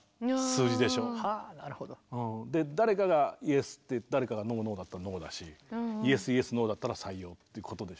誰かが「イエス」で誰かが「ノー」「ノー」だったら「ノー」だし「イエス」「イエス」「ノー」だったら採用っていうことでしょ。